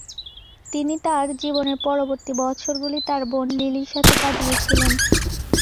তিনি তার জীবনের পরবর্তী বছরগুলি তার বোন লিলির সাথে কাটিয়েছিলেন।